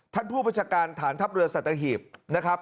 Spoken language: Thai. ท่านผู้บัญชาการฐานทัพเรือสัตหีบนะครับ